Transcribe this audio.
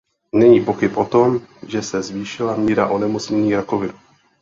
Není pochyb o tom, že se zvýšila míra onemocnění rakovinou.